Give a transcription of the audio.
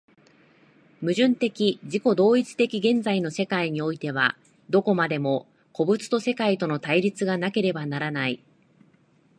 矛盾的自己同一的現在の世界においては、どこまでも個物と世界との対立がなければならない。